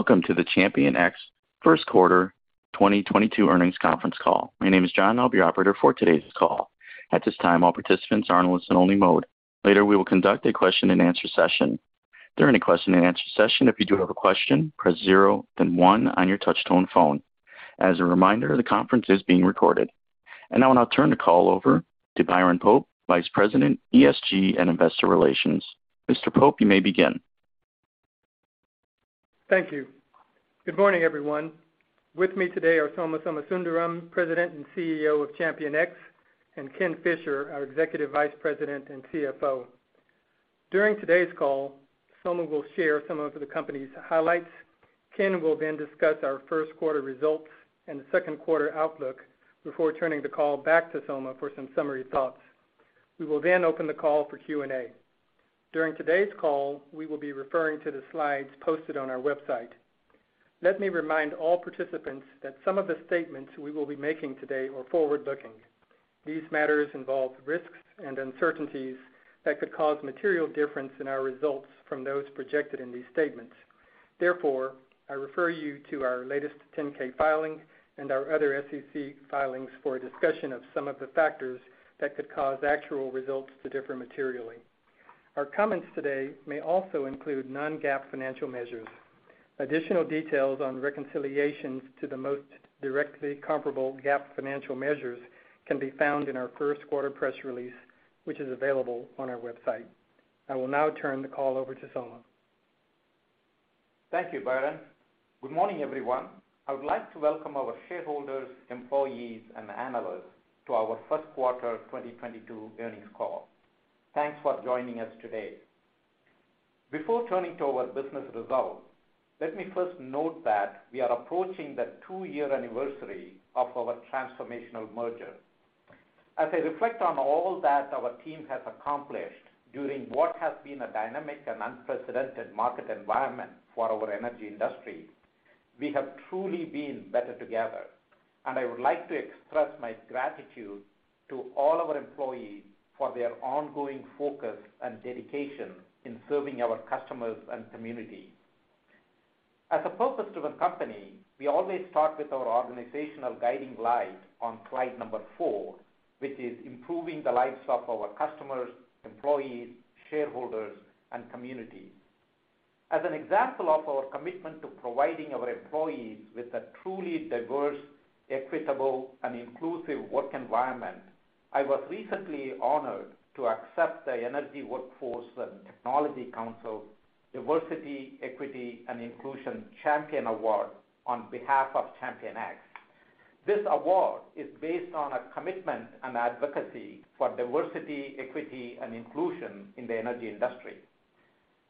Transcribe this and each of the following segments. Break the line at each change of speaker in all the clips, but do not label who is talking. Welcome to the ChampionX First Quarter 2022 Earnings Conference Call. My name is John, I'll be your operator for today's call. At this time, all participants are in listen-only mode. Later, we will conduct a question-and-answer session. During the question-and-answer session, if you do have a question, press zero, then one on your touch tone phone. As a reminder, the conference is being recorded. Now I'll turn the call over to Byron Pope, Vice President, ESG and Investor Relations. Mr. Pope, you may begin.
Thank you. Good morning, everyone. With me today are Soma Somasundaram, President and CEO of ChampionX, and Ken Fisher, our Executive Vice President and CFO. During today's call, Soma will share some of the company's highlights. Ken will then discuss our first quarter results and the second quarter outlook before turning the call back to Soma for some summary thoughts. We will then open the call for Q&A. During today's call, we will be referring to the slides posted on our website. Let me remind all participants that some of the statements we will be making today are forward-looking. These matters involve risks and uncertainties that could cause material difference in our results from those projected in these statements. Therefore, I refer you to our latest 10-K filing and our other SEC filings for a discussion of some of the factors that could cause actual results to differ materially. Our comments today may also include non-GAAP financial measures. Additional details on reconciliations to the most directly comparable GAAP financial measures can be found in our first quarter press release, which is available on our website. I will now turn the call over to Soma.
Thank you, Byron. Good morning, everyone. I would like to welcome our shareholders, employees, and analysts to our first quarter 2022 earnings call. Thanks for joining us today. Before turning to our business results, let me first note that we are approaching the 2-year anniversary of our transformational merger. As I reflect on all that our team has accomplished during what has been a dynamic and unprecedented market environment for our energy industry, we have truly been better together, and I would like to express my gratitude to all our employees for their ongoing focus and dedication in serving our customers and community. As a purpose-driven company, we always start with our organizational guiding light on slide number four, which is improving the lives of our customers, employees, shareholders, and communities. As an example of our commitment to providing our employees with a truly diverse, equitable, and inclusive work environment, I was recently honored to accept the Energy Workforce and Technology Council Diversity, Equity, and Inclusion Champion Award on behalf of ChampionX. This award is based on a commitment and advocacy for diversity, equity, and inclusion in the energy industry.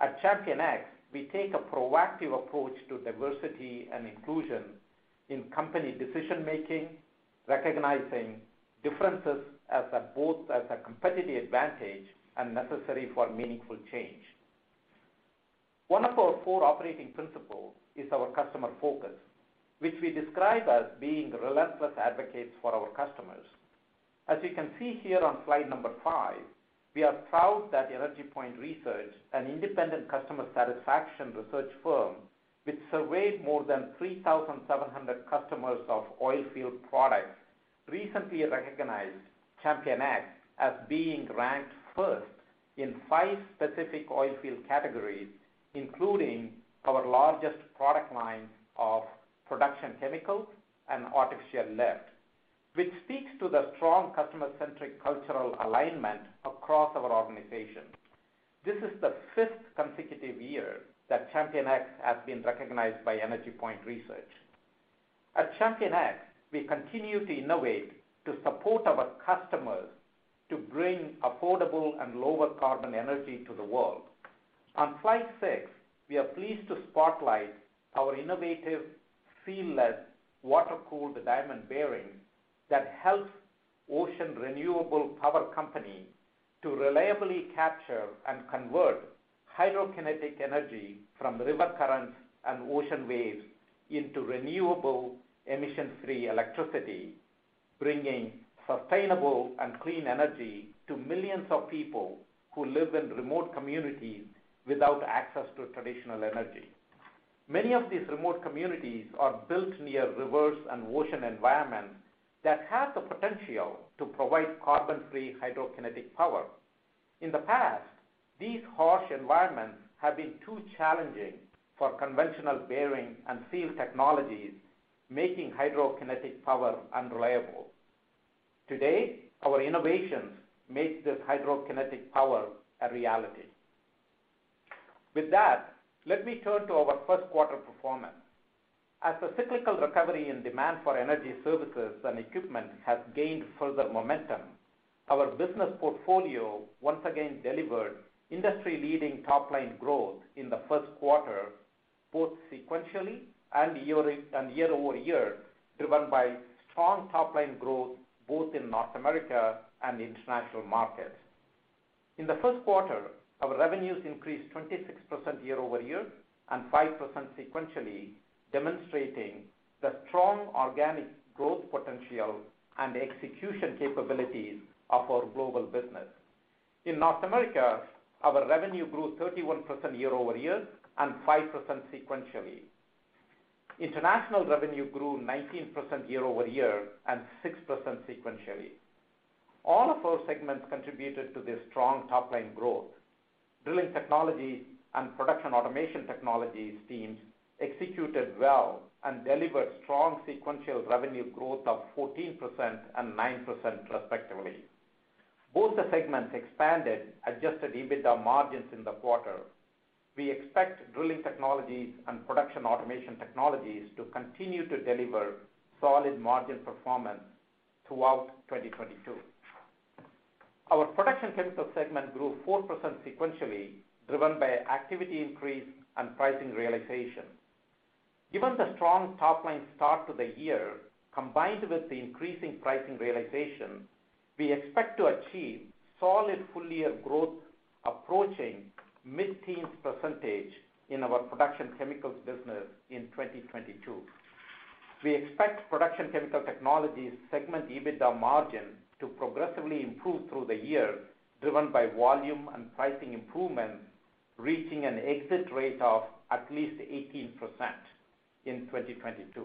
At ChampionX, we take a proactive approach to diversity and inclusion in company decision-making, recognizing differences as a competitive advantage and necessary for meaningful change. One of our four operating principles is our customer focus, which we describe as being relentless advocates for our customers. As you can see here on slide number five, we are proud that EnergyPoint Research, an independent customer satisfaction research firm which surveyed more than 3,700 customers of oilfield products, recently recognized ChampionX as being ranked first in five specific oilfield categories, including our largest product lines of Production Chemicals and artificial lift, which speaks to the strong customer-centric cultural alignment across our organization. This is the fifth consecutive year that ChampionX has been recognized by EnergyPoint Research. At ChampionX, we continue to innovate to support our customers to bring affordable and lower carbon energy to the world. On slide six, we are pleased to spotlight our innovative seal-less water-cooled diamond bearings that help Ocean Renewable Power Company to reliably capture and convert hydrokinetic energy from river currents and ocean waves into renewable emission-free electricity, bringing sustainable and clean energy to millions of people who live in remote communities without access to traditional energy. Many of these remote communities are built near rivers and ocean environments that have the potential to provide carbon-free hydrokinetic power. In the past, these harsh environments have been too challenging for conventional bearing and field technologies, making hydrokinetic power unreliable. Today, our innovations make this hydrokinetic power a reality. With that, let me turn to our first quarter performance. As the cyclical recovery and demand for energy services and equipment has gained further momentum, our business portfolio once again delivered industry leading top line growth in the first quarter, both sequentially and year-over-year, driven by strong top line growth both in North America and international markets. In the first quarter, our revenues increased 26% year-over-year and 5% sequentially, demonstrating the strong organic growth potential and execution capabilities of our global business. In North America, our revenue grew 31% year-over-year and 5% sequentially. International revenue grew 19% year-over-year and 6% sequentially. All of our segments contributed to the strong top line growth. Drilling Technologies and Production & Automation Technologies teams executed well and delivered strong sequential revenue growth of 14% and 9% respectively. Both the segments expanded adjusted EBITDA margins in the quarter. We expect Drilling Technologies and Production & Automation Technologies to continue to deliver solid margin performance throughout 2022. Our Production Chemical Technologies segment grew 4% sequentially, driven by activity increase and pricing realization. Given the strong top-line start to the year, combined with the increasing pricing realization, we expect to achieve solid full year growth approaching mid-teens percentage in our Production Chemicals business in 2022. We expect Production Chemical Technologies segment EBITDA margin to progressively improve through the year, driven by volume and pricing improvements, reaching an exit rate of at least 18% in 2022.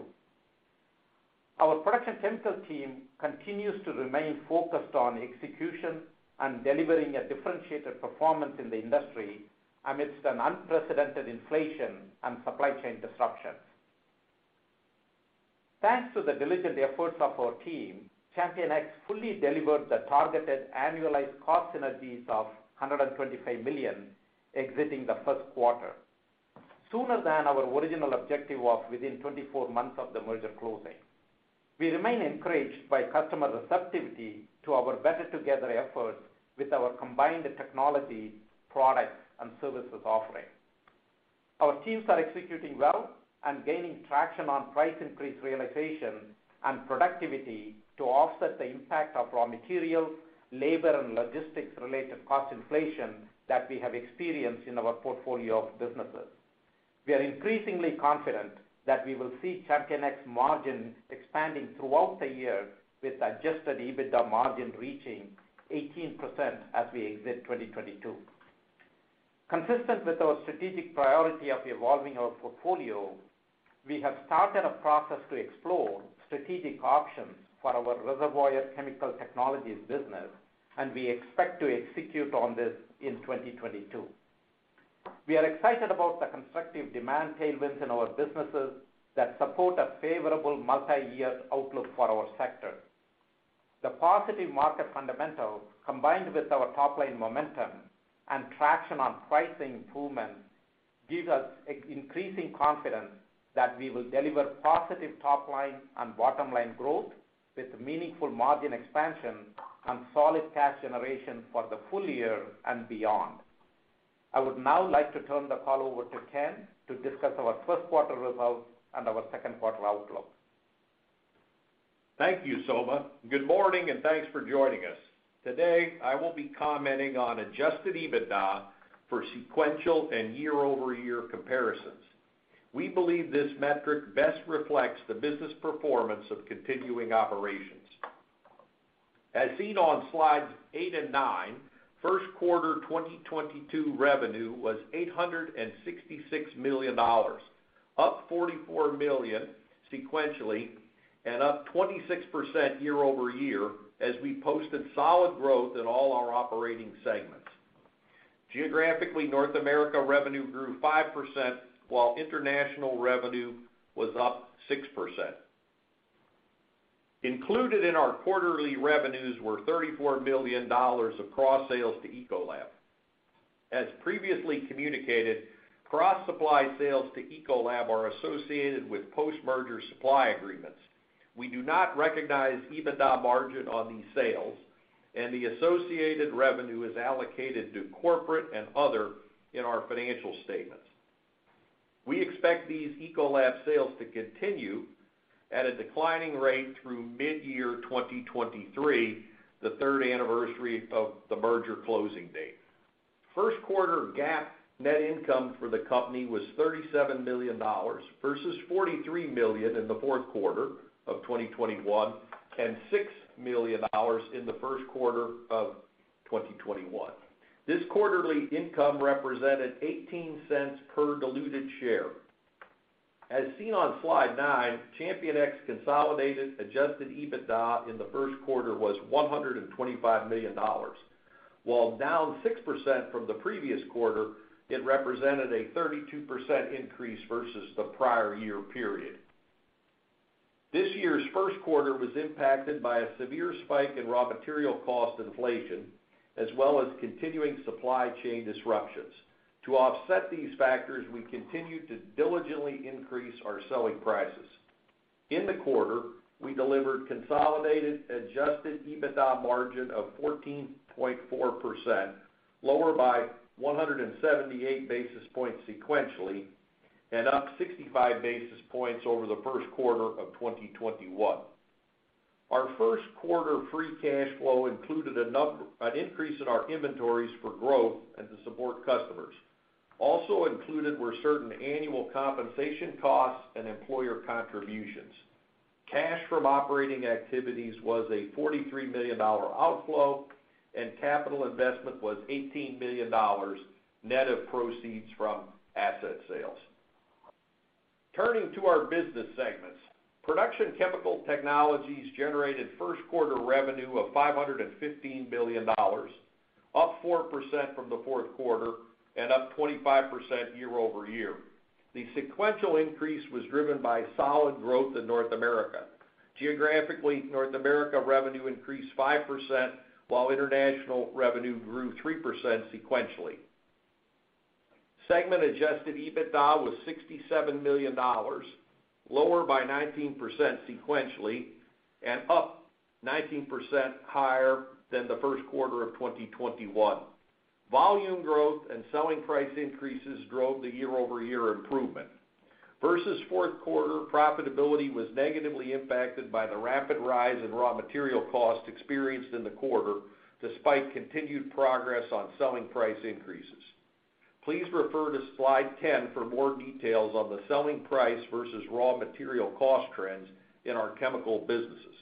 Our Production Chemical team continues to remain focused on execution and delivering a differentiated performance in the industry amidst an unprecedented inflation and supply chain disruptions. Thanks to the diligent efforts of our team, ChampionX fully delivered the targeted annualized cost synergies of $125 million exiting the first quarter, sooner than our original objective of within 24 months of the merger closing. We remain encouraged by customer receptivity to our better together efforts with our combined technology, products, and services offering. Our teams are executing well and gaining traction on price increase realization and productivity to offset the impact of raw material, labor, and logistics related cost inflation that we have experienced in our portfolio of businesses. We are increasingly confident that we will see ChampionX margins expanding throughout the year, with adjusted EBITDA margin reaching 18% as we exit 2022. Consistent with our strategic priority of evolving our portfolio, we have started a process to explore strategic options for our Reservoir Chemical Technologies business, and we expect to execute on this in 2022. We are excited about the constructive demand tailwinds in our businesses that support a favorable multi-year outlook for our sector. The positive market fundamental, combined with our top-line momentum and traction on pricing improvements, gives us increasing confidence that we will deliver positive top line and bottom line growth with meaningful margin expansion and solid cash generation for the full year and beyond. I would now like to turn the call over to Ken to discuss our first quarter results and our second quarter outlook.
Thank you, Soma. Good morning, and thanks for joining us. Today, I will be commenting on adjusted EBITDA for sequential and year-over-year comparisons. We believe this metric best reflects the business performance of continuing operations. As seen on slides eight and nine, first quarter 2022 revenue was $866 million, up $44 million sequentially and up 26% year-over-year as we posted solid growth in all our operating segments. Geographically, North America revenue grew 5%, while international revenue was up 6%. Included in our quarterly revenues were $34 million of cross-sales to Ecolab. As previously communicated, cross-supply sales to Ecolab are associated with post-merger supply agreements. We do not recognize EBITDA margin on these sales, and the associated revenue is allocated to corporate and other in our financial statements. We expect these Ecolab sales to continue at a declining rate through mid-year 2023, the third anniversary of the merger closing date. First quarter GAAP net income for the company was $37 million versus $43 million in the fourth quarter of 2021, and $6 million in the first quarter of 2021. This quarterly income represented $0.18 per diluted share. As seen on slide nine, ChampionX consolidated adjusted EBITDA in the first quarter was $125 million. While down 6% from the previous quarter, it represented a 32% increase versus the prior year period. This year's first quarter was impacted by a severe spike in raw material cost inflation, as well as continuing supply chain disruptions. To offset these factors, we continued to diligently increase our selling prices. In the quarter, we delivered consolidated adjusted EBITDA margin of 14.4%, lower by 178 basis points sequentially, and up 65 basis points over the first quarter of 2021. Our first quarter free cash flow included an increase in our inventories for growth and to support customers. Also included were certain annual compensation costs and employer contributions. Cash from operating activities was a $43 million outflow, and capital investment was $18 million net of proceeds from asset sales. Turning to our business segments. Production Chemical Technologies generated first quarter revenue of $515 million, up 4% from the fourth quarter and up 25% year-over-year. The sequential increase was driven by solid growth in North America. Geographically, North America revenue increased 5%, while international revenue grew 3% sequentially. Segment adjusted EBITDA was $67 million, lower by 19% sequentially and up 19% higher than the first quarter of 2021. Volume growth and selling price increases drove the year-over-year improvement. Versus fourth quarter, profitability was negatively impacted by the rapid rise in raw material costs experienced in the quarter despite continued progress on selling price increases. Please refer to slide 10 for more details on the selling price versus raw material cost trends in our chemical businesses.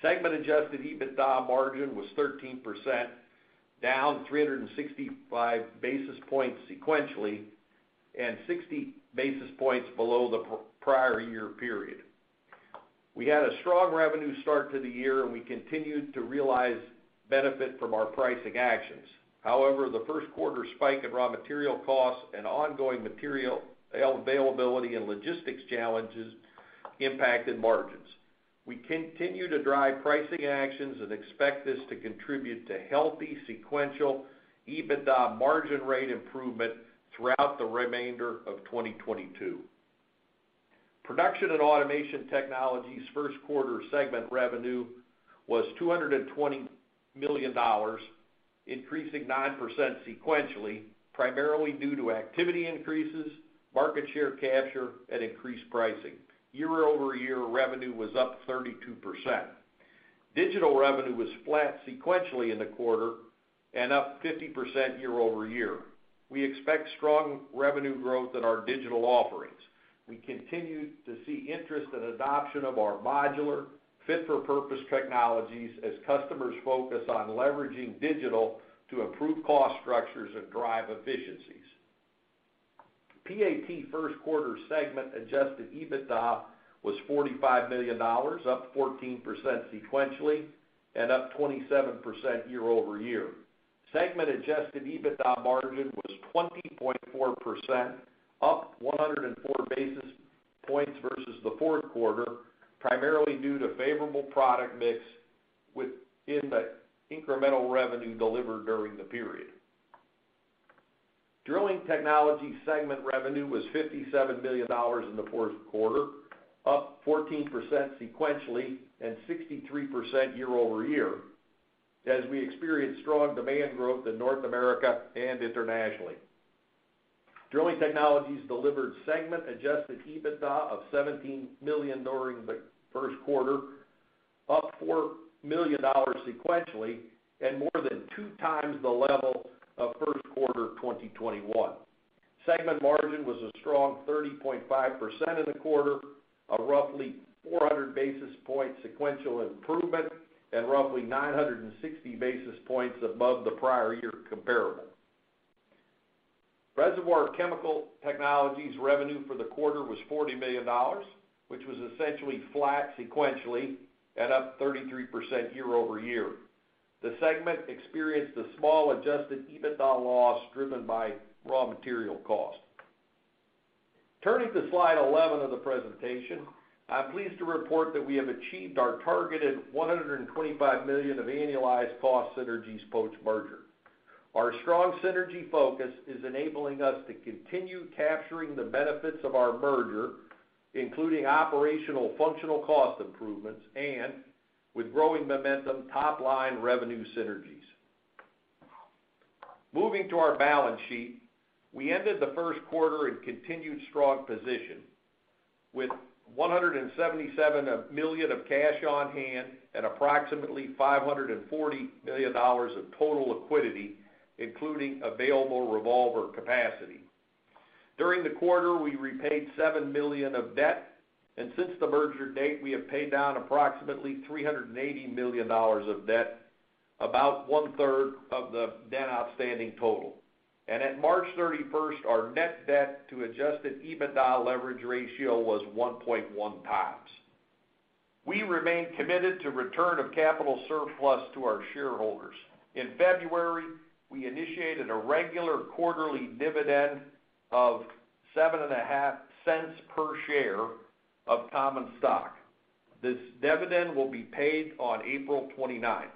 Segment adjusted EBITDA margin was 13%, down 365 basis points sequentially, and 60 basis points below the prior year period. We had a strong revenue start to the year, and we continued to realize benefit from our pricing actions. However, the first quarter spike in raw material costs and ongoing material availability and logistics challenges impacted margins. We continue to drive pricing actions and expect this to contribute to healthy sequential EBITDA margin rate improvement throughout the remainder of 2022. Production & Automation Technologies first quarter segment revenue was $220 million, increasing 9% sequentially, primarily due to activity increases, market share capture and increased pricing. Year-over-year revenue was up 32%. Digital revenue was flat sequentially in the quarter and up 50% year-over-year. We expect strong revenue growth in our digital offerings. We continue to see interest and adoption of our modular fit for purpose technologies as customers focus on leveraging digital to improve cost structures and drive efficiencies. PAT first quarter segment adjusted EBITDA was $45 million, up 14% sequentially and up 27% year-over-year. Segment adjusted EBITDA margin was 20.4%, up 104 basis points versus the fourth quarter, primarily due to favorable product mix within the incremental revenue delivered during the period. Drilling Technologies segment revenue was $57 million in the first quarter, up 14% sequentially and 63% year-over-year, as we experienced strong demand growth in North America and internationally. Drilling Technologies delivered segment adjusted EBITDA of $17 million during the first quarter, up $4 million sequentially and more than two times the level of first quarter 2021. Segment margin was a strong 30.5% in the quarter, a roughly 400 basis point sequential improvement and roughly 960 basis points above the prior year comparable. Reservoir Chemical Technologies revenue for the quarter was $40 million, which was essentially flat sequentially and up 33% year-over-year. The segment experienced a small adjusted EBITDA loss driven by raw material cost. Turning to slide 11 of the presentation, I'm pleased to report that we have achieved our targeted $125 million of annualized cost synergies post-merger. Our strong synergy focus is enabling us to continue capturing the benefits of our merger, including operational functional cost improvements and with growing momentum, top line revenue synergies. Moving to our balance sheet. We ended the first quarter in continued strong position with $177 million of cash on hand and approximately $540 million of total liquidity, including available revolver capacity. During the quarter, we repaid $7 million of debt, and since the merger date, we have paid down approximately $380 million of debt, about one third of the debt outstanding total. At March 31st, our net debt to adjusted EBITDA leverage ratio was 1.1x. We remain committed to return of capital surplus to our shareholders. In February, we initiated a regular quarterly dividend of $0.075 per share of common stock. This dividend will be paid on April 29th.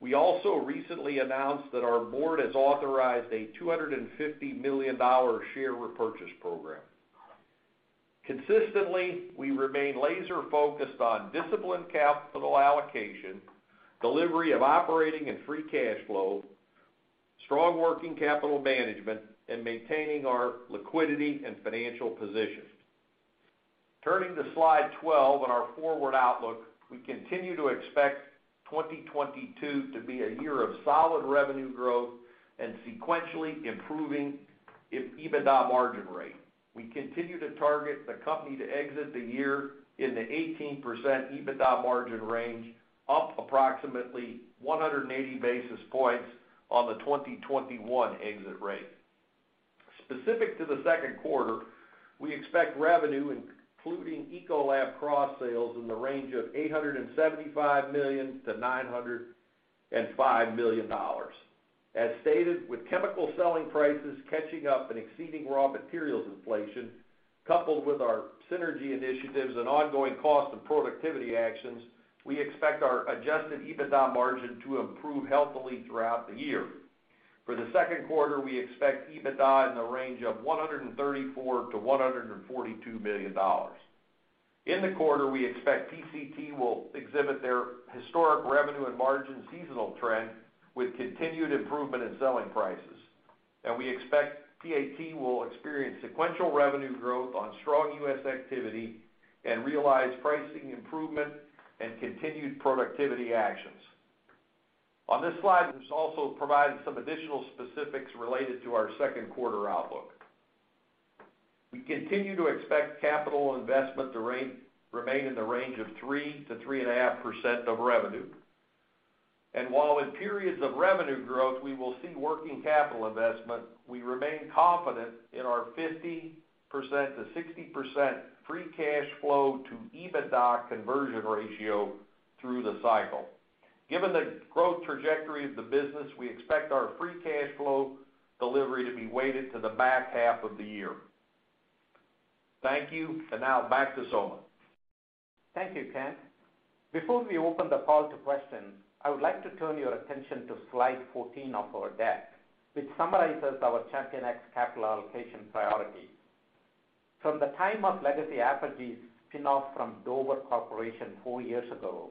We also recently announced that our board has authorized a $250 million share repurchase program. Consistently, we remain laser focused on disciplined capital allocation, delivery of operating and free cash flow, strong working capital management, and maintaining our liquidity and financial position. Turning to slide 12 on our forward outlook, we continue to expect 2022 to be a year of solid revenue growth and sequentially improving EBITDA margin rate. We continue to target the company to exit the year in the 18% EBITDA margin range, up approximately 180 basis points on the 2021 exit rate. Specific to the second quarter, we expect revenue, including Ecolab cross sales, in the range of $875 million-$905 million. As stated, with chemical selling prices catching up and exceeding raw materials inflation, coupled with our synergy initiatives and ongoing cost and productivity actions, we expect our adjusted EBITDA margin to improve healthily throughout the year. For the second quarter, we expect EBITDA in the range of $134 million-$142 million. In the quarter, we expect PCT will exhibit their historic revenue and margin seasonal trend with continued improvement in selling prices. We expect PAT will experience sequential revenue growth on strong U.S. activity and realize pricing improvement and continued productivity actions. On this slide, we've also provided some additional specifics related to our second quarter outlook. We continue to expect capital investment to remain in the range of 3%-3.5% of revenue. While in periods of revenue growth, we will see working capital investment, we remain confident in our 50%-60% free cash flow to EBITDA conversion ratio through the cycle. Given the growth trajectory of the business, we expect our free cash flow delivery to be weighted to the back half of the year. Thank you. Now back to Soma.
Thank you, Kent. Before we open the call to questions, I would like to turn your attention to slide 14 of our deck, which summarizes our ChampionX capital allocation priorities. From the time of legacy Apergy's spin-off from Dover Corporation four years ago,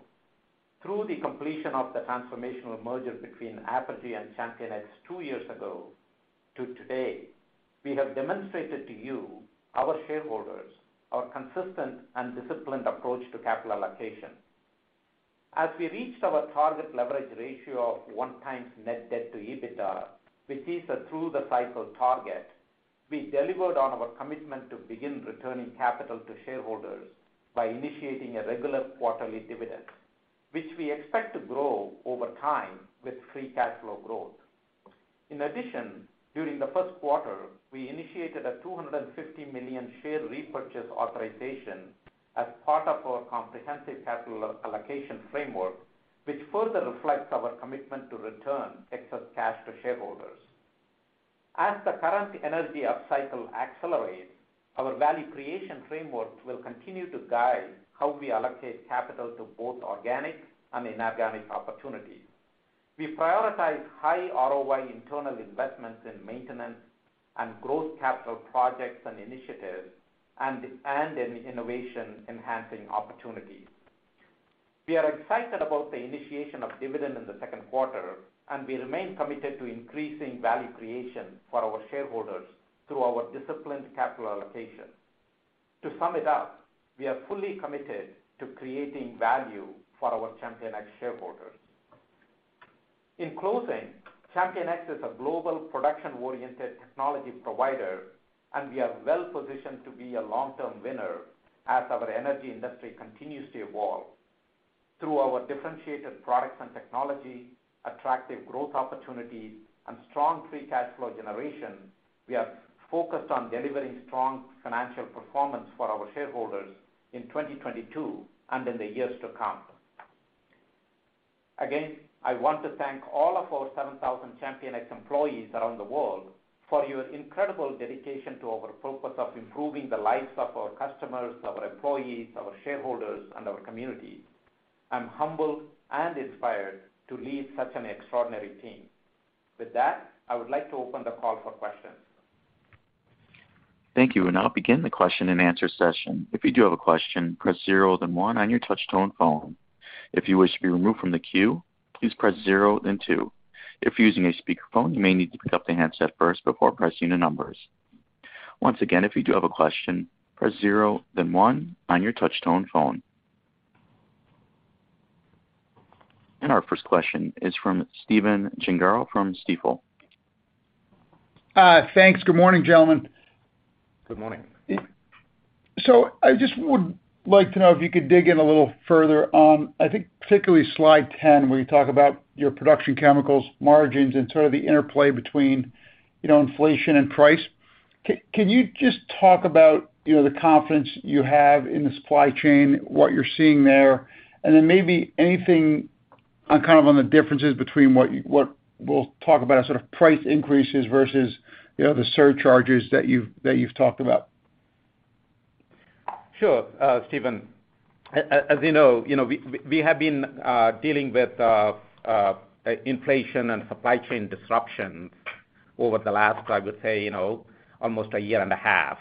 through the completion of the transformational merger between Apergy and ChampionX two years ago, to today, we have demonstrated to you, our shareholders, our consistent and disciplined approach to capital allocation. As we reached our target leverage ratio of 1x net debt to EBITDA, which is a through the cycle target, we delivered on our commitment to begin returning capital to shareholders by initiating a regular quarterly dividend, which we expect to grow over time with free cash flow growth. In addition, during the first quarter, we initiated a $250 million share repurchase authorization as part of our comprehensive capital allocation framework, which further reflects our commitment to return excess cash to shareholders. As the current energy upcycle accelerates, our value creation framework will continue to guide how we allocate capital to both organic and inorganic opportunities. We prioritize high ROI internal investments in maintenance and growth capital projects and initiatives and in innovation-enhancing opportunities. We are excited about the initiation of dividend in the second quarter, and we remain committed to increasing value creation for our shareholders through our disciplined capital allocation. To sum it up, we are fully committed to creating value for our ChampionX shareholders. In closing, ChampionX is a global production-oriented technology provider, and we are well-positioned to be a long-term winner as our energy industry continues to evolve. Through our differentiated products and technology, attractive growth opportunities, and strong free cash flow generation, we are focused on delivering strong financial performance for our shareholders in 2022 and in the years to come. Again, I want to thank all of our 7,000 ChampionX employees around the world for your incredible dedication to our purpose of improving the lives of our customers, our employees, our shareholders, and our communities. I'm humbled and inspired to lead such an extraordinary team. With that, I would like to open the call for questions.
Thank you. We'll now begin the question-and-answer session. If you do have a question, press zero then one on your touch tone phone. If you wish to be removed from the queue, please press zero then two. If you're using a speakerphone, you may need to pick up the handset first before pressing the numbers. Once again, if you do have a question, press zero then one on your touch tone phone. Our first question is from Stephen Gengaro from Stifel.
Thanks. Good morning, gentlemen.
Good morning.
I just would like to know if you could dig in a little further on, I think, particularly slide 10, where you talk about your Production Chemicals margins and sort of the interplay between, you know, inflation and price. Can you just talk about, you know, the confidence you have in the supply chain, what you're seeing there? Maybe anything on, kind of on the differences between what we'll talk about as sort of price increases versus, you know, the surcharges that you've talked about.
Sure, Stephen. As you know, we have been dealing with inflation and supply chain disruptions over the last, I would say, you know, almost a year and a half.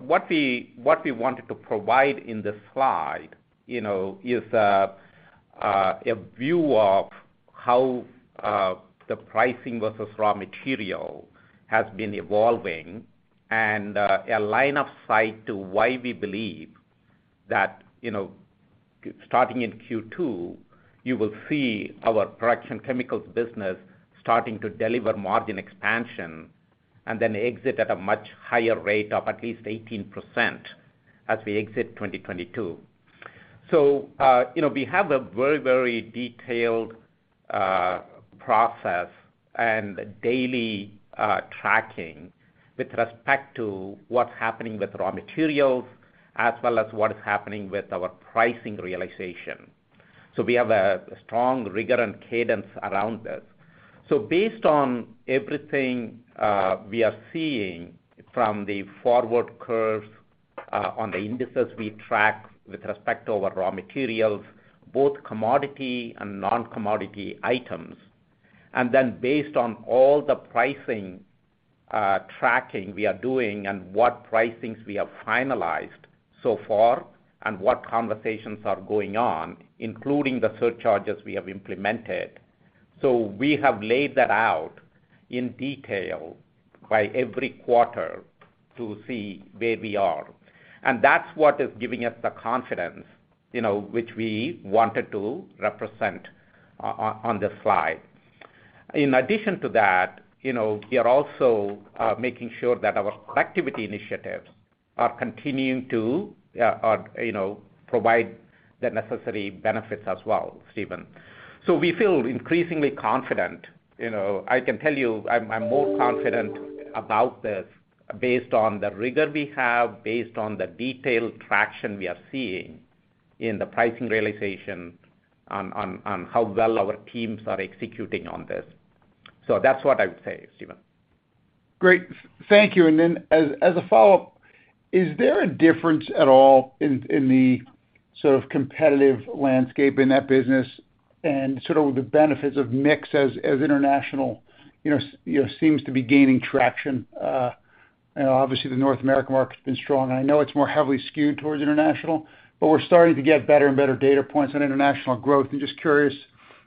What we wanted to provide in this slide, you know, is a view of how the pricing versus raw material has been evolving and a line of sight to why we believe that, you know, starting in Q2, you will see our production chemicals business starting to deliver margin expansion and then exit at a much higher rate of at least 18% as we exit 2022. You know, we have a very detailed process and daily tracking with respect to what's happening with raw materials as well as what is happening with our pricing realization. We have a strong rigor and cadence around this. Based on everything we are seeing from the forward curves on the indices we track with respect to our raw materials, both commodity and non-commodity items, and then based on all the pricing tracking we are doing and what pricings we have finalized so far, and what conversations are going on, including the surcharges we have implemented. We have laid that out in detail by every quarter to see where we are. That's what is giving us the confidence, you know, which we wanted to represent on this slide. In addition to that, you know, we are also making sure that our productivity initiatives are continuing to, you know, provide the necessary benefits as well, Stephen. We feel increasingly confident. You know, I can tell you I'm more confident about this based on the rigor we have, based on the detailed traction we are seeing in the pricing realization on how well our teams are executing on this. That's what I would say, Stephen.
Great. Thank you. As a follow-up, is there a difference at all in the sort of competitive landscape in that business and sort of the benefits of mix as international, you know, seems to be gaining traction? Obviously the North American market has been strong, and I know it's more heavily skewed towards international, but we're starting to get better and better data points on international growth. I'm just curious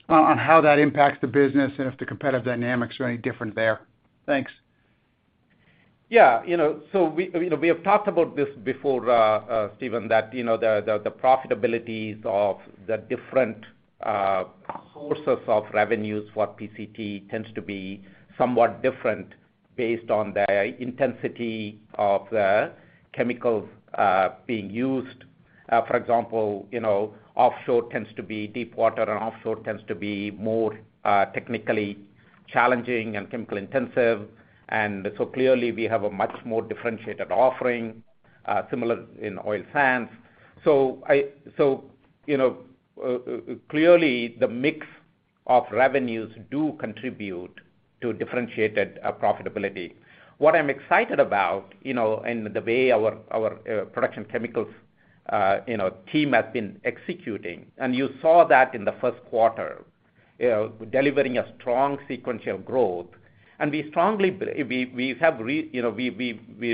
on how that impacts the business and if the competitive dynamics are any different there. Thanks.
Yeah, you know, so we, you know, we have talked about this before, Stephen, that, you know, the profitabilities of the different sources of revenues for PCT tends to be somewhat different based on the intensity of the chemicals being used. For example, you know, offshore tends to be deep water, and offshore tends to be more technically challenging and chemical intensive. Clearly, we have a much more differentiated offering, similar in oil sands. You know, clearly, the mix of revenues do contribute to differentiated profitability. What I'm excited about, you know, in the way our production chemicals team has been executing, and you saw that in the first quarter, delivering a strong sequential growth. We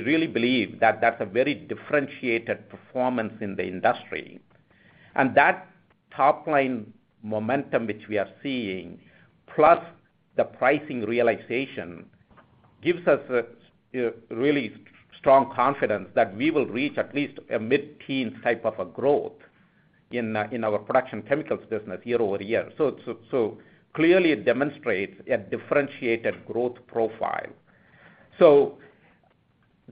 really believe that that's a very differentiated performance in the industry. That top line momentum, which we are seeing, plus the pricing realization, gives us, you know, really strong confidence that we will reach at least a mid-teens type of a growth in our production chemicals business year-over-year. Clearly it demonstrates a differentiated growth profile.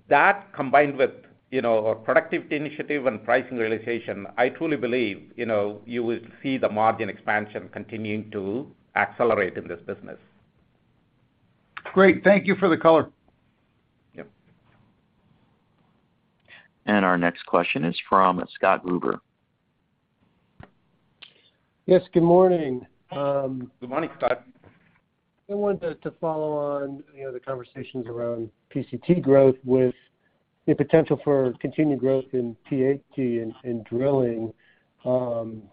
That combined with, you know, our productivity initiative and pricing realization, I truly believe, you know, you will see the margin expansion continuing to accelerate in this business.
Great. Thank you for the color.
Yep.
Our next question is from Scott Gruber.
Yes, good morning.
Good morning, Scott.
I wanted to follow on, you know, the conversations around PCT growth with the potential for continued growth in PAT and in drilling, and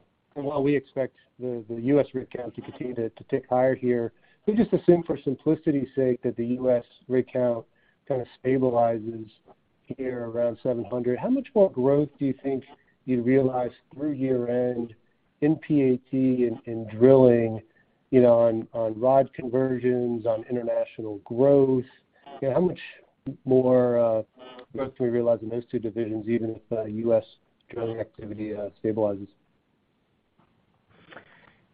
while we expect the U.S. rig count to continue to tick higher here. Just assume for simplicity sake that the U.S. rig count kind of stabilizes here around 700. How much more growth do you think you'd realize through year-end in PAT, in drilling, you know, on rod conversions, on international growth? You know, how much more growth do we realize in those two divisions, even if U.S. drilling activity stabilizes?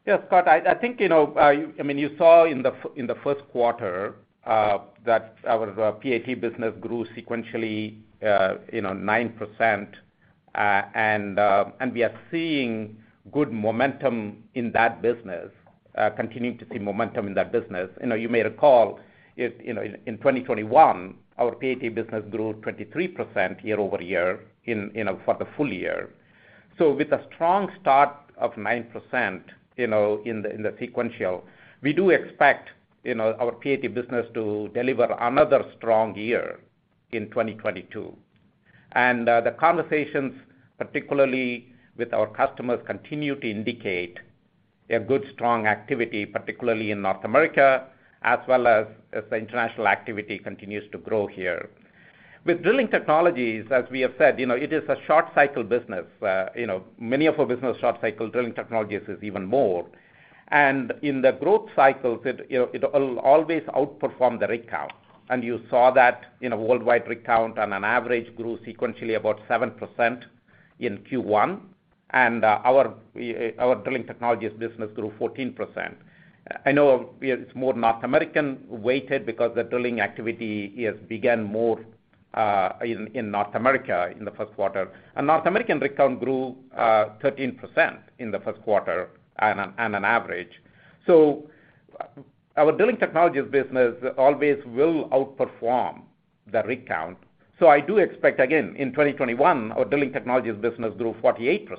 Yes, Scott, I think, you know, I mean, you saw in the first quarter, that our PAT business grew sequentially, you know, 9%. And we are seeing good momentum in that business, continuing to see momentum in that business. You know, you may recall, you know, in 2021, our PAT business grew 23% year-over-year for the full year. With a strong start of 9%, you know, in the sequential, we do expect, you know, our PAT business to deliver another strong year in 2022. The conversations, particularly with our customers, continue to indicate a good, strong activity, particularly in North America, as well as the international activity continues to grow here. With Drilling Technologies, as we have said, you know, it is a short cycle business. You know, many of our business short cycle Drilling Technologies is even more. In the growth cycles, you know, it will always outperform the rig count. You saw that in a worldwide rig count on average grew sequentially about 7% in Q1. Our Drilling Technologies business grew 14%. I know it's more North American-weighted because the drilling activity has began more in North America in the first quarter. North American rig count grew 13% in the first quarter on average. Our Drilling Technologies business always will outperform the rig count. I do expect, again, in 2021, our Drilling Technologies business grew 48%,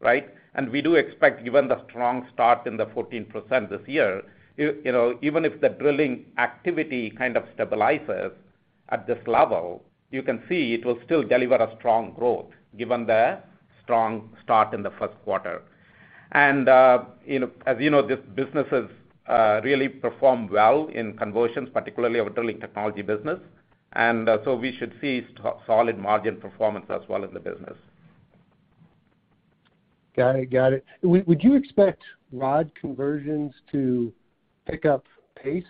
right? We do expect, given the strong start in the 14% this year, you know, even if the drilling activity kind of stabilizes at this level, you can see it will still deliver a strong growth given the strong start in the first quarter. You know, as you know, this business has really performed well in conversions, particularly our Drilling Technologies business. We should see solid margin performance as well in the business.
Got it. Would you expect rod conversions to pick up pace,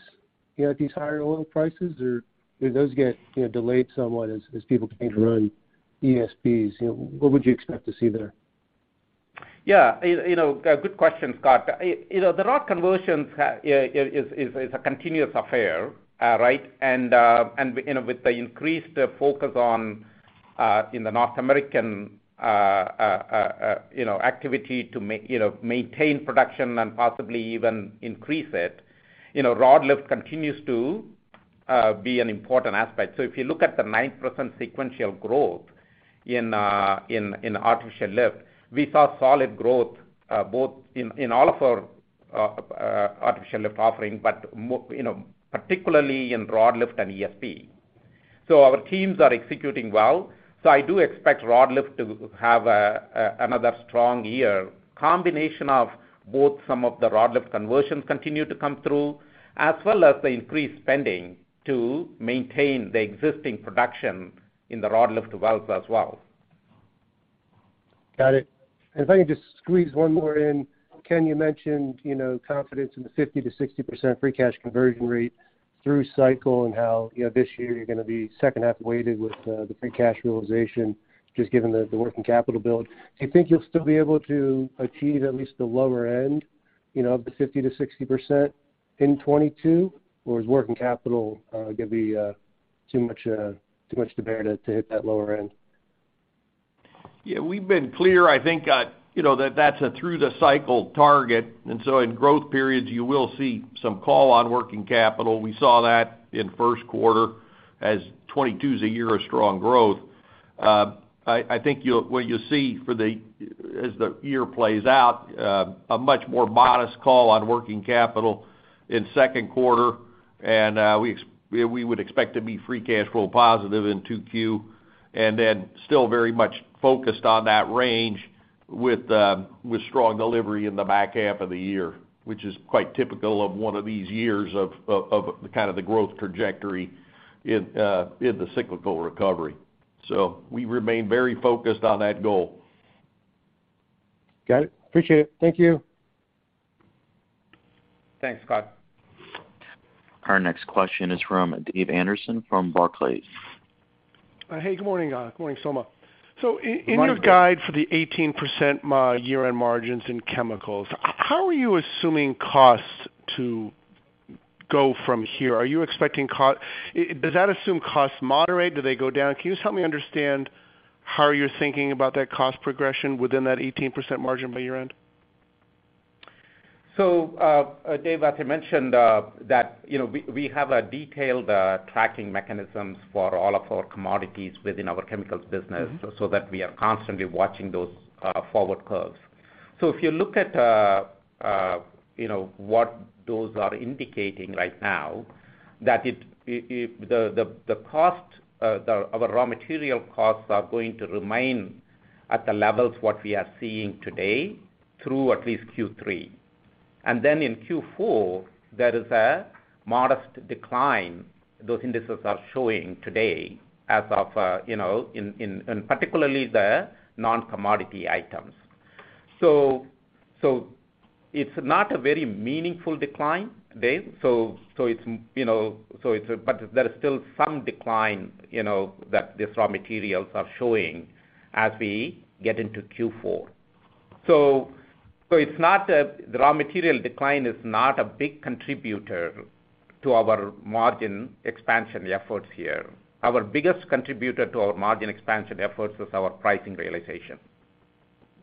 you know, at these higher oil prices? Or do those get, you know, delayed somewhat as people continue to run ESPs? You know, what would you expect to see there?
Yeah. You know, good question, Scott. You know, the rod conversions is a continuous affair, right? You know, with the increased focus on in the North American, you know, activity to maintain production and possibly even increase it, you know, rod lift continues to be an important aspect. If you look at the 9% sequential growth in artificial lift, we saw solid growth both in all of our artificial lift offering, but more, you know, particularly in rod lift and ESP. Our teams are executing well. I do expect rod lift to have another strong year. Combination of both some of the rod lift conversions continue to come through, as well as the increased spending to maintain the existing production in the rod lift wells as well.
Got it. If I can just squeeze one more in. Ken, you mentioned, you know, confidence in the 50%-60% free cash conversion rate through cycle and how, you know, this year you're gonna be second half weighted with the free cash realization, just given the working capital build. Do you think you'll still be able to achieve at least the lower end, you know, of the 50%-60% in 2022, or is working capital gonna be too much to bear to hit that lower-end?
Yeah. We've been clear. I think, you know, that that's a through-cycle target. In growth periods, you will see some call on working capital. We saw that in first quarter, as 2022 is a year of strong growth. I think you'll see as the year plays out, a much more modest call on working capital in second quarter, and we would expect to be free cash flow positive in 2Q, and then still very much focused on that range with strong delivery in the back half of the year, which is quite typical of one of these years of the kind of the growth trajectory in the cyclical recovery. We remain very focused on that goal.
Got it. Appreciate it. Thank you.
Thanks, Scott.
Our next question is from Dave Anderson from Barclays.
Hey, good morning. Good morning, Soma. In your guide for the 18% year-end margins in chemicals, how are you assuming costs to go from here? Does that assume costs moderate? Do they go down? Can you just help me understand how you're thinking about that cost progression within that 18% margin by year-end?
Dave, as I mentioned, that, you know, we have a detailed tracking mechanisms for all of our commodities within our chemicals business.
Mm-hmm.
That we are constantly watching those forward curves. If you look at, you know, what those are indicating right now, that our raw material costs are going to remain at the levels that we are seeing today through at least Q3. In Q4, there is a modest decline those indices are showing today, particularly the non-commodity items. It's not a very meaningful decline, Dave. There is still some decline, you know, that these raw materials are showing as we get into Q4. The raw material decline is not a big contributor to our margin expansion efforts here. Our biggest contributor to our margin expansion efforts is our pricing realization.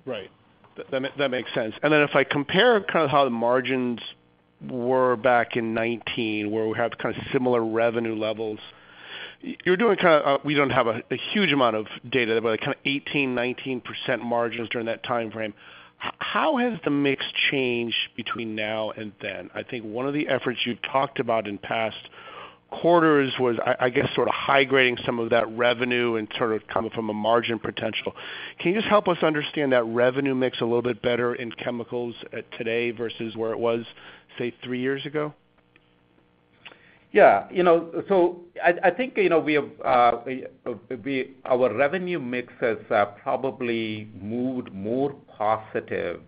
That makes sense. If I compare kind of how the margins were back in 2019, where we have kind of similar revenue levels, you're doing kind of we don't have a huge amount of data, but kind of 18%-19% margins during that timeframe. How has the mix changed between now and then? I think one of the efforts you've talked about in past quarters was, I guess, sort of high grading some of that revenue and sort of coming from higher margin potential. Can you just help us understand that revenue mix a little bit better in chemicals today versus where it was, say, three years ago?
Yeah. You know, I think, you know, our revenue mix has probably moved more positive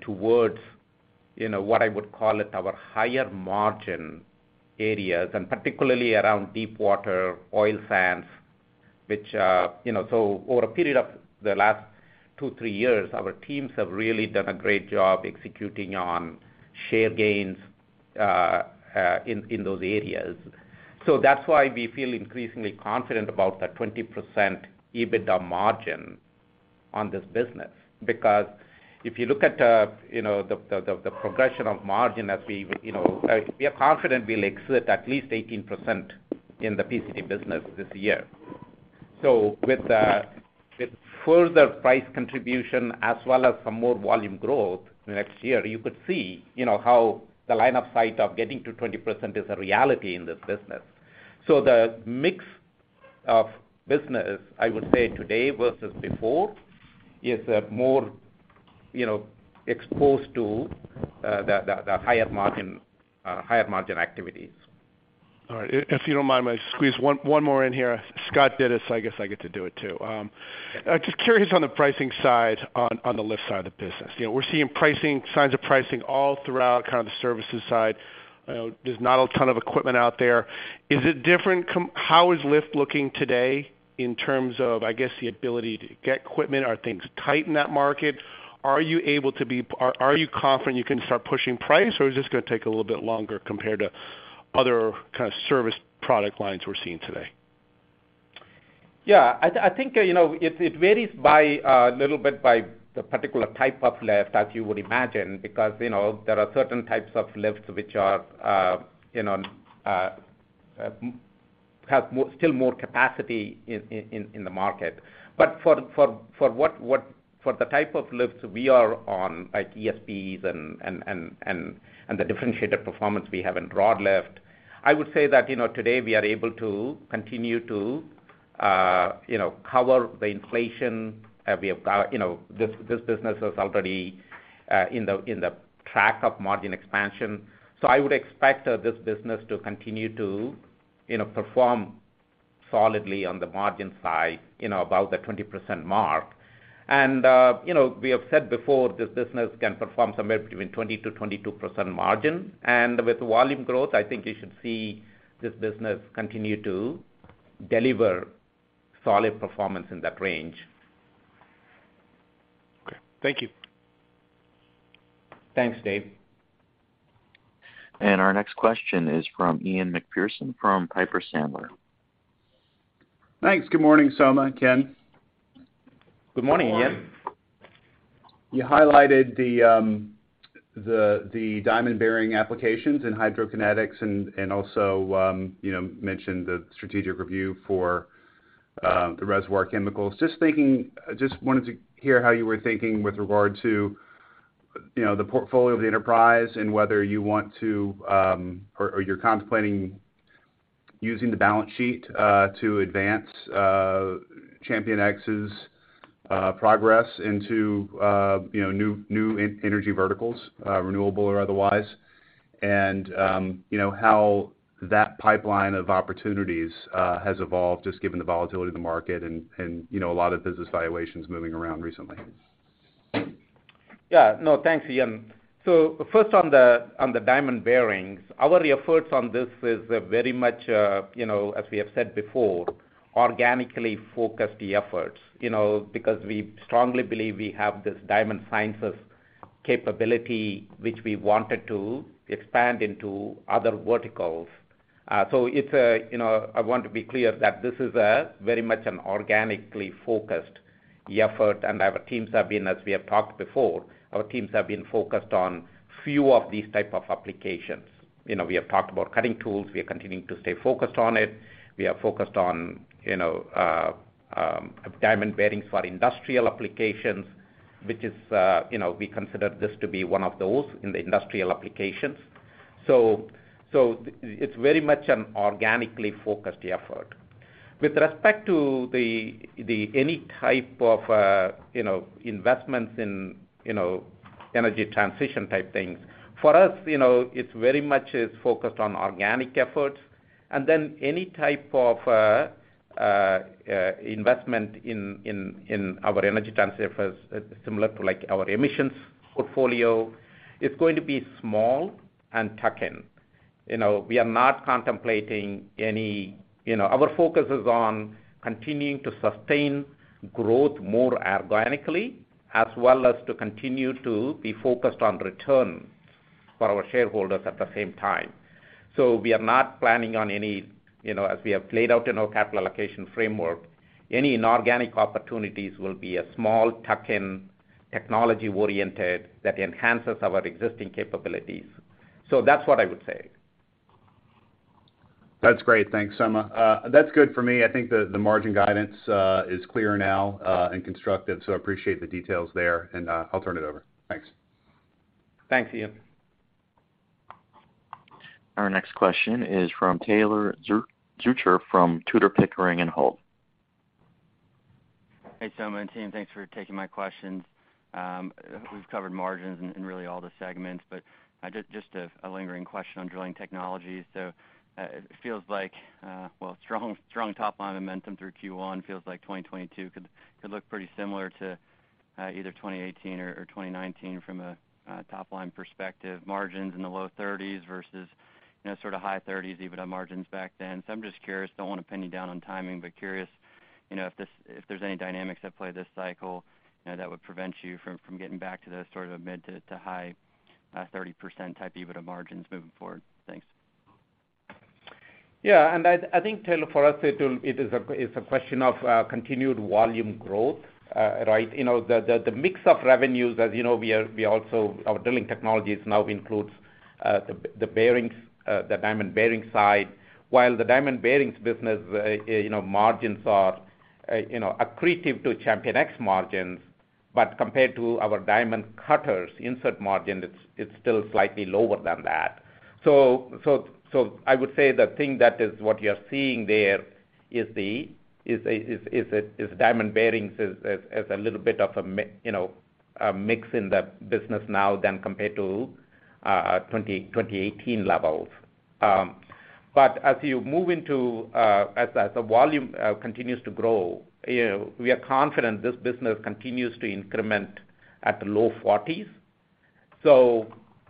towards, you know, what I would call our higher margin areas, and particularly around deepwater oil sands, which, you know. Over a period of the last two, three years, our teams have really done a great job executing on share gains in those areas. That's why we feel increasingly confident about that 20% EBITDA margin on this business. Because if you look at, you know, the progression of margin as we, you know, we are confident we'll exceed at least 18% in the PCT business this year. With further price contribution as well as some more volume growth next year, you could see, you know, how the line of sight of getting to 20% is a reality in this business. The mix of business, I would say today versus before, is more, you know, exposed to the higher margin higher margin activities.
All right. If you don't mind, I'll squeeze one more in here. Scott did it, so I guess I get to do it, too. Just curious on the pricing side on the lift side of the business. You know, we're seeing signs of pricing all throughout kind of the services side. You know, there's not a ton of equipment out there. How is lift looking today in terms of, I guess, the ability to get equipment? Are things tight in that market? Are you confident you can start pushing price, or is this gonna take a little bit longer compared to other kind of service product lines we're seeing today?
Yeah. I think, you know, it varies by a little bit by the particular type of lift, as you would imagine, because, you know, there are certain types of lifts which are, you know, have still more capacity in the market. For the type of lifts we are on, like ESPs and the differentiated performance we have in rod lift, I would say that, you know, today we are able to continue to, you know, cover the inflation. We have got, you know, this business is already, you know, on the track of margin expansion. I would expect this business to continue to, you know, perform solidly on the margin side, you know, about the 20% mark. You know, we have said before this business can perform somewhere between 20%-22% margin. With volume growth, I think you should see this business continue to deliver solid performance in that range.
Okay. Thank you.
Thanks, Dave.
Our next question is from Ian Macpherson from Piper Sandler.
Thanks. Good morning, Soma, Ken.
Good morning, Ian.
Good morning.
You highlighted the diamond bearings applications in hydrokinetics and also, you know, mentioned the strategic review for the reservoir chemicals. Just thinking, I just wanted to hear how you were thinking with regard to, you know, the portfolio of the enterprise and whether you want to or you're contemplating using the balance sheet to advance ChampionX's progress into, you know, new energy verticals, renewable or otherwise. You know, how that pipeline of opportunities has evolved just given the volatility of the market and, you know, a lot of business valuations moving around recently.
Yeah. No, thanks, Ian. First on the diamond bearings, our efforts on this is very much, you know, as we have said before, organically focused efforts. You know, because we strongly believe we have this diamond sciences capability which we wanted to expand into other verticals. It's, you know, I want to be clear that this is a very much an organically focused effort. Our teams have been, as we have talked before, focused on few of these type of applications. You know, we have talked about cutting tools. We are continuing to stay focused on it. We are focused on, you know, diamond bearings for industrial applications, which is, you know, we consider this to be one of those in the industrial applications. It's very much an organically focused effort. With respect to any type of, you know, investments in, you know, energy transition type things, for us, you know, it's very much is focused on organic efforts. Then any type of investment in our energy transition, similar to like our emissions portfolio, is going to be small tuck-in. You know, we are not contemplating any, you know. Our focus is on continuing to sustain growth more organically, as well as to continue to be focused on return for our shareholders at the same time. We are not planning on any, you know, as we have laid out in our capital allocation framework, any inorganic opportunities will be a small tuck-in, technology-oriented that enhances our existing capabilities. That's what I would say.
That's great. Thanks, Soma. That's good for me. I think the margin guidance is clear now and constructive, so I appreciate the details there, and I'll turn it over. Thanks.
Thanks, Ian.
Our next question is from Taylor Zurcher from Tudor, Pickering & Holt.
Hey, Soma and team. Thanks for taking my questions. We've covered margins in really all the segments, but just a lingering question on drilling technology. It feels like strong top line momentum through Q1. 2022 could look pretty similar to either 2018 or 2019 from a top line perspective, margins in the low-30s versus high-30s EBITDA margins back then. I'm just curious. Don't wanna pin you down on timing, but curious if there's any dynamics at play this cycle that would prevent you from getting back to the mid- to high-30% EBITDA margins moving forward. Thanks.
Yeah. I think, Taylor, for us, it's a question of continued volume growth, right? You know, the mix of revenues, as you know, our Drilling Technologies now includes the bearings, the diamond bearings side. While the diamond bearings business, you know, margins are accretive to ChampionX margins, but compared to our diamond cutters insert margin, it's still slightly lower than that. I would say the thing that is what you're seeing there is diamond bearings as a little bit of a mix in the business now than compared to 2020, 2018 levels. As the volume continues to grow, you know, we are confident this business continues to increment at low-40s.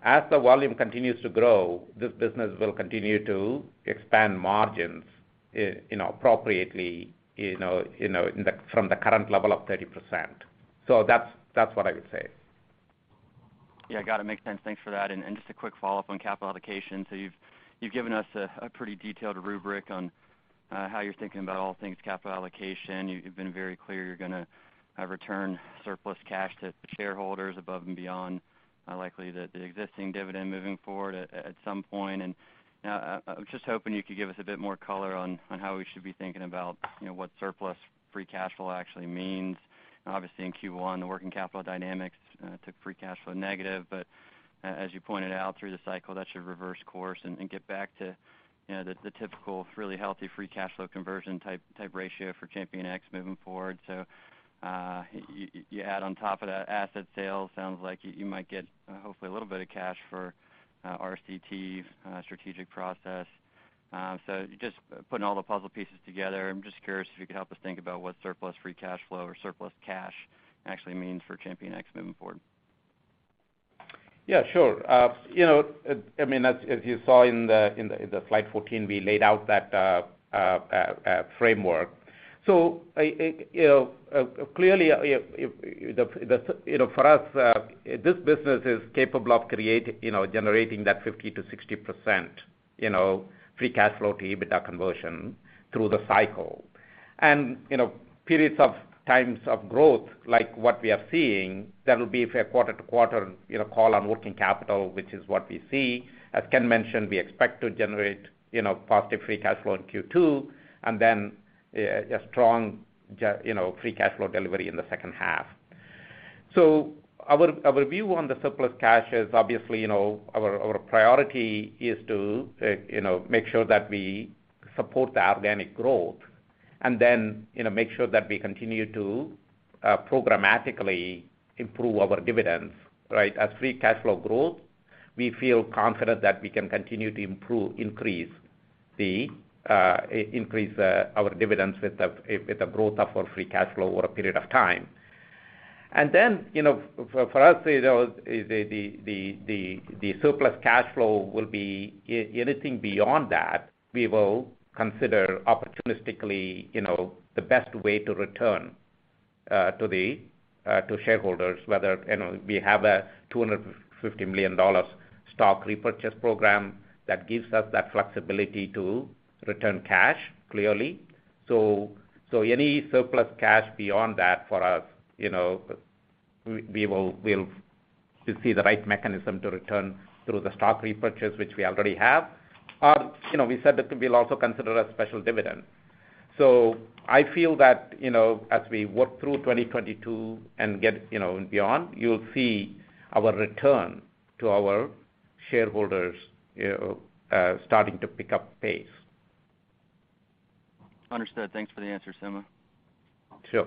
As the volume continues to grow, this business will continue to expand margins, you know, appropriately, from the current level of 30%. That's what I would say.
Yeah. Got it. Makes sense. Thanks for that. Just a quick follow-up on capital allocation. You've given us a pretty detailed rubric on how you're thinking about all things capital allocation. You've been very clear you're gonna return surplus cash to shareholders above and beyond likely the existing dividend moving forward at some point. I was just hoping you could give us a bit more color on how we should be thinking about, you know, what surplus free cash flow actually means. Obviously, in Q1, the working capital dynamics took free cash flow negative. As you pointed out, through the cycle, that should reverse course and get back to, you know, the typical really healthy free cash flow conversion type ratio for ChampionX moving forward. You add on top of that asset sale, sounds like you might get hopefully a little bit of cash for RCT strategic process. Just putting all the puzzle pieces together, I'm just curious if you could help us think about what surplus free cash flow or surplus cash actually means for ChampionX moving forward.
Yeah, sure. You know, I mean, as you saw in the slide 14, we laid out that framework. You know, clearly, for us, this business is capable of generating that 50%-60% free cash flow to EBITDA conversion through the cycle. You know, periods of times of growth, like what we are seeing, that will be for a quarter-to-quarter call on working capital, which is what we see. As Ken mentioned, we expect to generate positive free cash flow in Q2, and then a strong free cash flow delivery in the second half. Our view on the surplus cash is obviously, you know, our priority is to, you know, make sure that we support the organic growth, and then, you know, make sure that we continue to, programmatically improve our dividends, right? As free cash flow grows, we feel confident that we can continue to increase our dividends with the growth of our free cash flow over a period of time. For us, you know, the surplus cash flow will be anything beyond that. We will consider opportunistically, you know, the best way to return to the shareholders, whether, you know, we have a $250 million stock repurchase program that gives us that flexibility to return cash, clearly. Any surplus cash beyond that for us, you know, we'll see the right mechanism to return through the stock repurchase, which we already have. You know, we said that we'll also consider a special dividend. I feel that, you know, as we work through 2022 and get, you know, and beyond, you'll see our return to our shareholders starting to pick up pace.
Understood. Thanks for the answer, Soma.
Sure.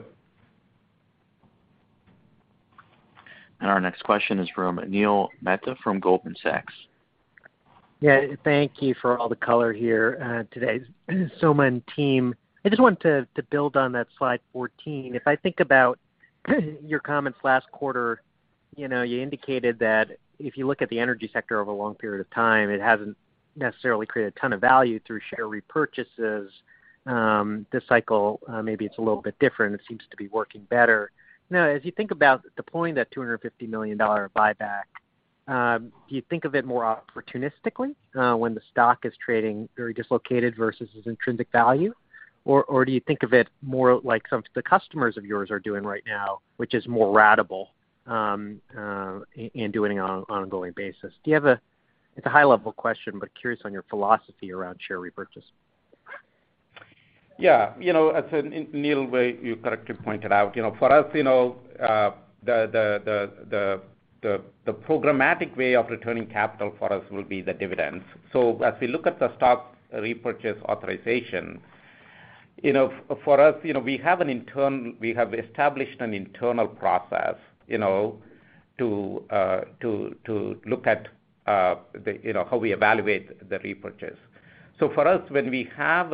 Our next question is from Neil Mehta from Goldman Sachs.
Yeah. Thank you for all the color here today, Soma and team. I just wanted to build on that slide 14. If I think about your comments last quarter, you know, you indicated that if you look at the energy sector over a long period of time, it hasn't necessarily created a ton of value through share repurchases. This cycle, maybe it's a little bit different. It seems to be working better. Now, as you think about deploying that $250 million buyback, do you think of it more opportunistically when the stock is trading very dislocated versus its intrinsic value? Or do you think of it more like some of the customers of yours are doing right now, which is more ratable and doing it on an ongoing basis? It's a high-level question, but curious on your philosophy around share repurchase?
Yeah. You know, as Neil, where you correctly pointed out, you know, for us, you know, the programmatic way of returning capital for us will be the dividends. As we look at the stock repurchase authorization, you know, for us, you know, we have established an internal process, you know, to look at the, you know, how we evaluate the repurchase. For us, when we have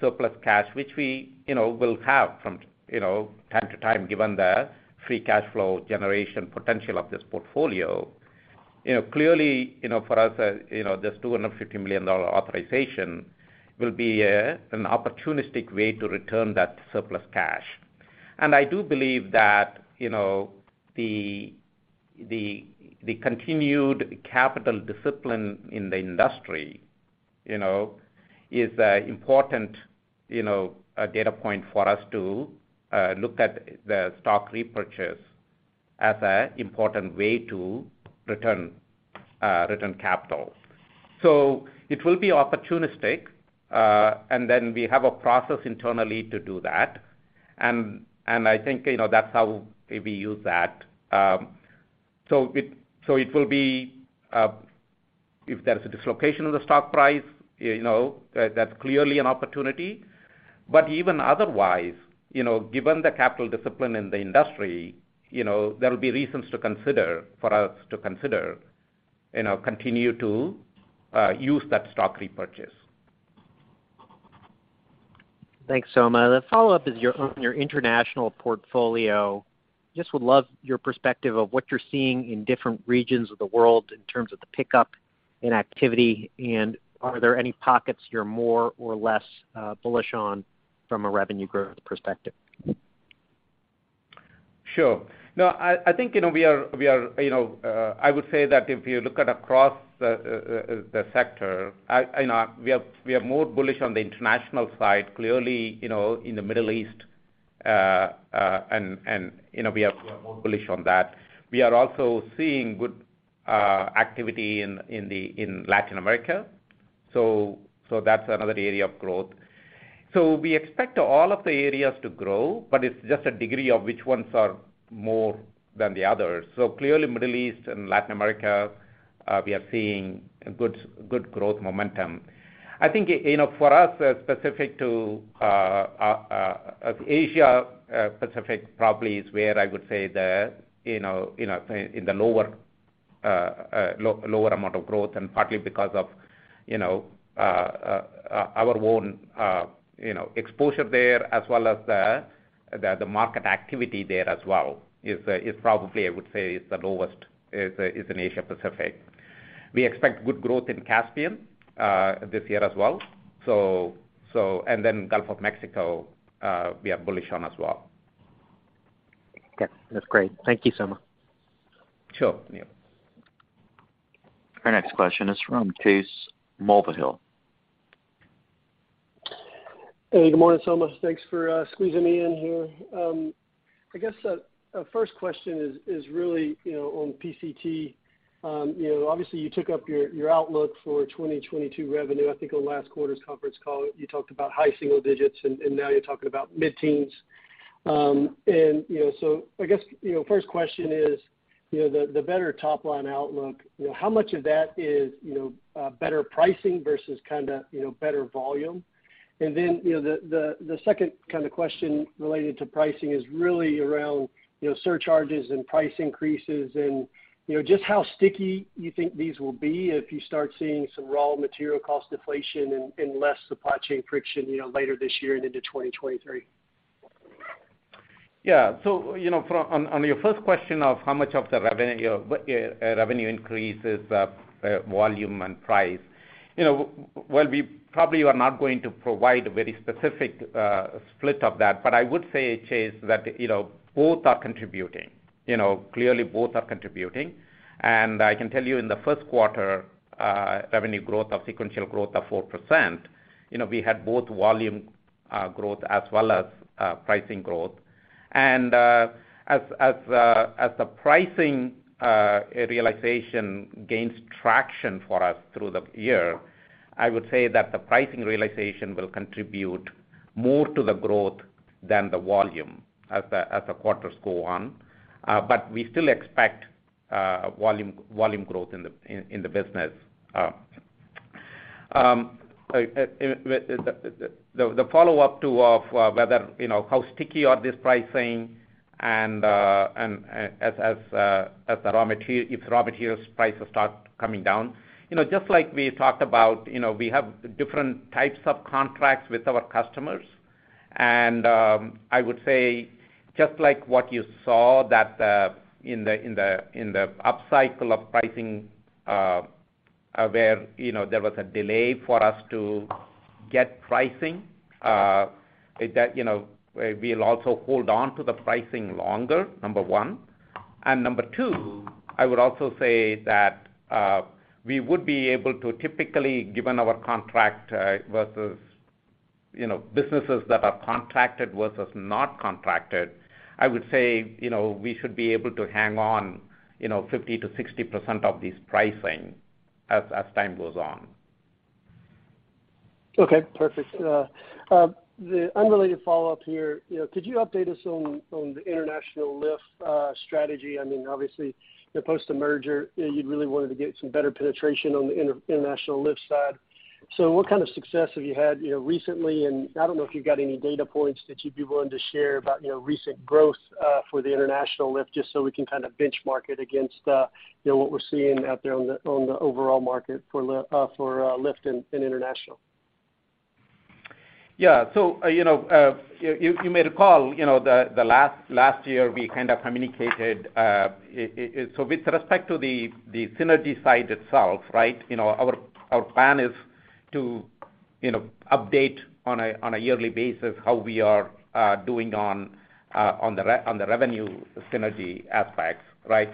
surplus cash, which we, you know, will have from, you know, time to time, given the free cash flow generation potential of this portfolio, you know, clearly, you know, for us, you know, this $250 million authorization will be an opportunistic way to return that surplus cash. I do believe that, you know, the continued capital discipline in the industry, you know, is an important, you know, data point for us to look at the stock repurchase as an important way to return capital. It will be opportunistic, and then we have a process internally to do that. I think, you know, that's how we use that. It will be, if there's a dislocation of the stock price, you know, that's clearly an opportunity. Even otherwise, you know, given the capital discipline in the industry, you know, there will be reasons to consider, for us to consider, you know, continue to use that stock repurchase.
Thanks, Soma. The follow-up is on your international portfolio. Just would love your perspective of what you're seeing in different regions of the world in terms of the pickup in activity. Are there any pockets you're more or less bullish on from a revenue growth perspective?
Sure. No, I think, you know, we are more bullish on the international side, clearly, you know, in the Middle East and you know, we are more bullish on that. We are also seeing good activity in Latin America. That's another area of growth. We expect all of the areas to grow, but it's just a degree of which ones are more than the others. Clearly Middle East and Latin America, we are seeing good growth momentum. I think, you know, for us, specific to Asia Pacific probably is where I would say the, you know, in the lower lower amount of growth and partly because of, you know, our own, you know, exposure there as well as the the market activity there as well is probably I would say is the lowest in Asia Pacific. We expect good growth in Caspian this year as well. Gulf of Mexico, we are bullish on as well.
Okay. That's great. Thank you, Soma.
Sure. Yeah.
Our next question is from Chase Mulvehill.
Hey, good morning, Soma. Thanks for squeezing me in here. I guess first question is really, you know, on PCT. You know, obviously you took up your outlook for 2022 revenue. I think on last quarter's conference call, you talked about high single-digits, and now you're talking about mid-teens. You know, so I guess first question is, you know, the better top-line outlook, you know, how much of that is, you know, better pricing versus kinda, you know, better volume? You know, the second kind of question related to pricing is really around, you know, surcharges and price increases and, you know, just how sticky you think these will be if you start seeing some raw material cost deflation and less supply chain friction, you know, later this year and into 2023.
Yeah. You know, on your first question of how much of the revenue increase is volume and price. You know, well, we probably are not going to provide a very specific split of that, but I would say, Chase, that, you know, both are contributing. You know, clearly both are contributing. I can tell you in the first quarter, sequential revenue growth of 4%, you know, we had both volume growth as well as pricing growth. As the pricing realization gains traction for us through the year, I would say that the pricing realization will contribute more to the growth than the volume as the quarters go on. We still expect volume growth in the business. The follow-up to whether, you know, how sticky are this pricing and as the raw material, if raw materials prices start coming down. You know, just like we talked about, you know, we have different types of contracts with our customers. I would say just like what you saw that in the upcycle of pricing, where, you know, there was a delay for us to get pricing, is that, you know, we'll also hold on to the pricing longer, number one. Number two, I would also say that we would be able to typically, given our contract, versus, you know, businesses that are contracted versus not contracted, I would say, you know, we should be able to hang on, you know, 50%-60% of this pricing as time goes on.
Okay, perfect. The unrelated follow-up here, you know, could you update us on the international lift strategy? I mean, obviously, post the merger, you'd really wanted to get some better penetration on the international lift side. What kind of success have you had, you know, recently? I don't know if you've got any data points that you'd be willing to share about, you know, recent growth for the international lift, just so we can kinda benchmark it against, you know, what we're seeing out there on the overall market for lift in international.
Yeah, you know, you made a call, you know, the last year we kind of communicated, so with respect to the synergy side itself, right? You know, our plan is to, you know, update on a yearly basis how we are doing on the revenue synergy aspects, right?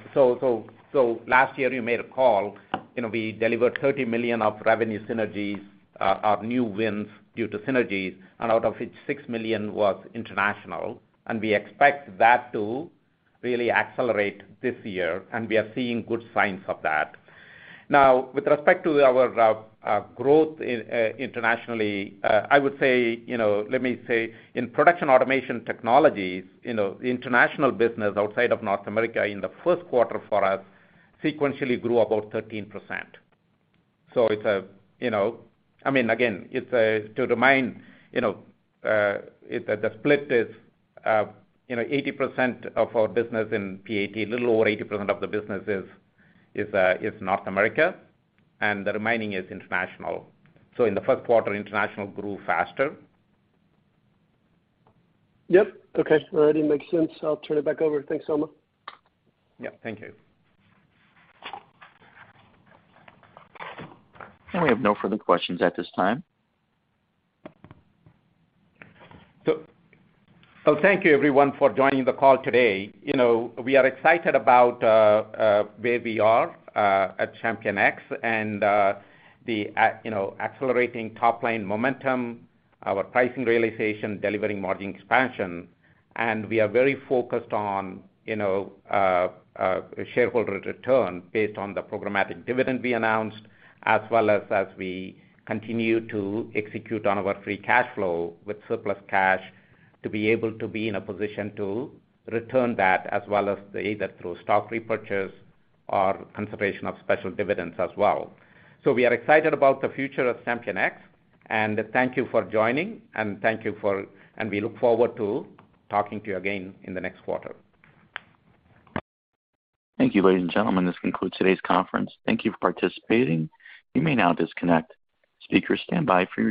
Last year you made a call, you know, we delivered $30 million of revenue synergies, of new wins due to synergies, and out of which $6 million was international. We expect that to really accelerate this year, and we are seeing good signs of that. Now, with respect to our growth internationally, I would say, you know, let me say in Production & Automation Technologies, you know, international business outside of North America in the first quarter for us sequentially grew about 13%. It's, you know, I mean, again, it's to remind, you know, the split is, you know, 80% of our business in PAT, a little over 80% of the business is North America, and the remaining is international. In the first quarter, international grew faster.
Yep. Okay. That makes sense. I'll turn it back over. Thanks, Soma.
Yeah, thank you.
We have no further questions at this time.
Thank you everyone for joining the call today. You know, we are excited about where we are at ChampionX and you know, accelerating top-line momentum, our pricing realization, delivering margin expansion. We are very focused on you know, shareholder return based on the programmatic dividend we announced, as well as we continue to execute on our free cash flow with surplus cash to be able to be in a position to return that as well as to either through stock repurchase or consideration of special dividends as well. We are excited about the future of ChampionX, and thank you for joining, and thank you for and we look forward to talking to you again in the next quarter.
Thank you, ladies and gentlemen. This concludes today's conference. Thank you for participating. You may now disconnect. Speakers, standby for your cue.